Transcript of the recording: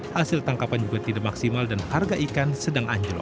hasil tangkapan juga tidak maksimal dan harga ikan sedang anjlok